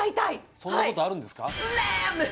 そんなことあるんですか？